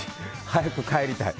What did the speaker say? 早く帰りたい。